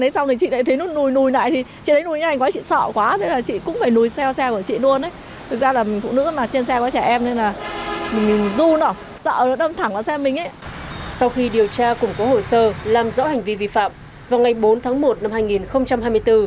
sau khi điều tra củng cố hồ sơ làm rõ hành vi vi phạm vào ngày bốn tháng một năm hai nghìn hai mươi bốn